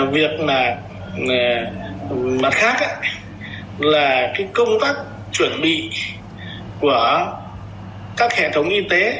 việc là mặt khác là công tác chuẩn bị của các hệ thống y tế